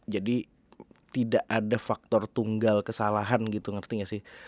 jadi tidak ada faktor tunggal kesalahan gitu ngerti gak sih